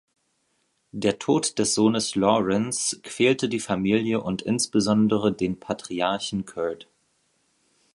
Der Tod des Sohnes Lawrence quälte die Familie und insbesondere den Patriarchen Curt.